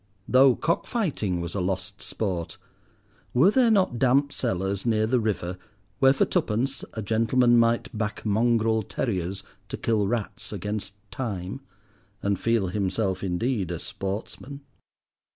Though cockfighting was a lost sport, were there not damp cellars near the river where for twopence a gentleman might back mongrel terriers to kill rats against time, and feel himself indeed a sportsman?